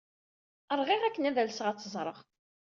Rɣiɣ akken ad alseɣ ad tt-ẓreɣ.